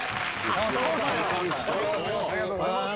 ありがとうございます。